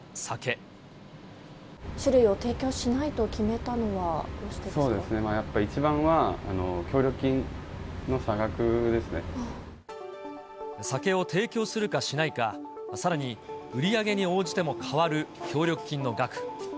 酒類を提供しないと決めたの一番は、酒を提供するかしないか、さらに、売り上げに応じても変わる協力金の額。